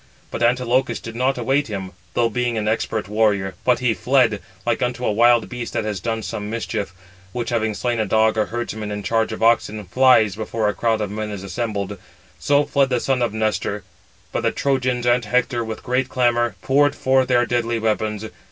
But Antilochus did not await him, though being an expert warrior, but he fled, like unto a wild beast that has done some mischief, which, having slain a dog or herdsman in charge of oxen, flies, before a crowd of men is assembled: so fled the son of Nestor; but the Trojans and Hector, with great clamour, poured forth their deadly weapons.